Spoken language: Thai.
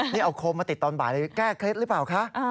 นี่เอาโคมมาติดตอนบ่ายเลยแก้เคล็ดหรือเปล่าคะ